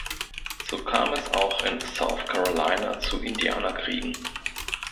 So kam es auch in South Carolina zu Indianerkriegen.